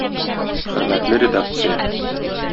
Хөрмәтле редакция!